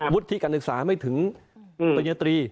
ที่การศึกษาไม่ถึงปริญญาตรี